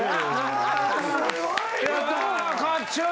すごいわ！